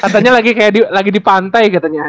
katanya lagi di pantai katanya